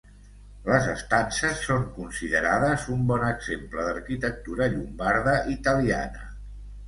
Les estances són considerades un bon exemple d’arquitectura llombarda italiana.